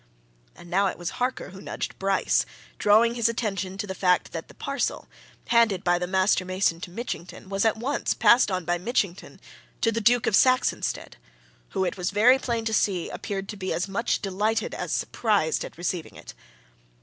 And now it was Harker who nudged Bryce, drawing his attention to the fact that the parcel, handed by the master mason to Mitchington was at once passed on by Mitchington to the Duke of Saxonsteade, who, it was very plain to see, appeared to be as much delighted as surprised at receiving it.